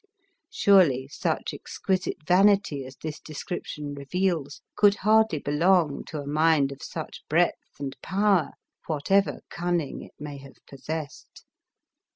Surely such exqui site vanity as this description reveals, could hardly be long to a mind of much breadth and power, whatever cunning it may have possessed.